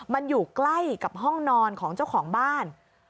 มันอยู่ใกล้กับห้องนอนของเจ้าของบ้าน